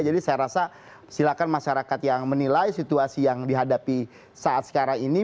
jadi saya rasa silakan masyarakat yang menilai situasi yang dihadapi saat sekarang ini